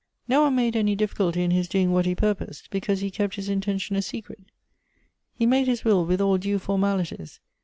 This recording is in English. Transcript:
No one made any difficulty in his doing what he pur posed — because he kept his intention a secret. He made his will with all due formalities.